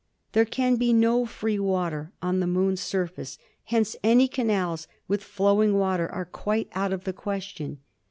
There can be no free water on the Moon's surface; hence any canals with flowing water are quite out of the question.